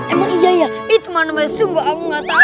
emang iya ya itu mana mana sungguh aku gak tahu